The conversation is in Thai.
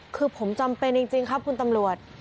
คือผมจำเป็นจริงครับคุณตำรวจ